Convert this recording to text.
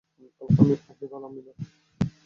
আপনি ভালো আম্মি না।